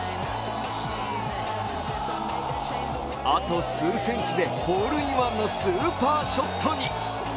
あと数センチでホールインワンのスーパーショットに。